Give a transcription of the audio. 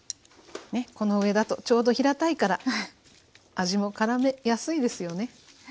この上だとちょうど平たいから味もからめやすいですよね。